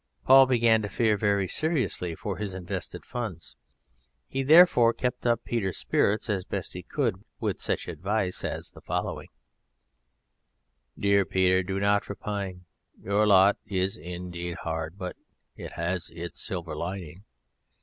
Paul began to fear very seriously for his invested funds: he therefore kept up Peter's spirits as best he could with such advice as the following: "Dear Peter, do not repine; your lot is indeed hard, but it has its silver lining.